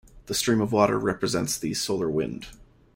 The stream of water represents the solar wind.